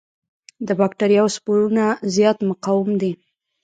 د بکټریاوو سپورونه زیات مقاوم دي.